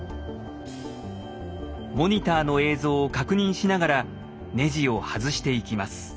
モニターの映像を確認しながらネジを外していきます。